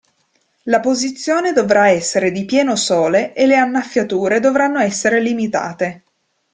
La posizione dovrà essere di pieno sole e le annaffiature dovranno essere limitate.